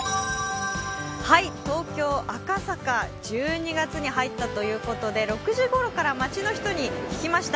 東京・赤坂、１２月に入ったということで６時ごろから街の人に聞きました。